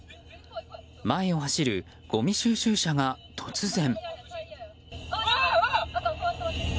前を走るごみ収集車が突然。